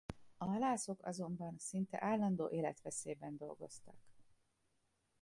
A halászok azonban szinte állandó életveszélyben dolgoztak.